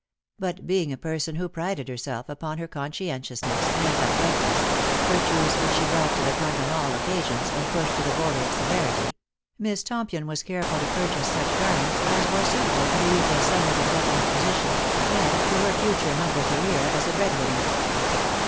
But being a person who prided herself upon her conscientiousness and Lost for Love. 181 uprightness — virtues which she brought to the front on all occasions, and pushed to the border of severity — Miss Tompion was careful to purchase such garments as were suitable to Louisa's somewhat indefinite position, and to her future humble career as a bread winner.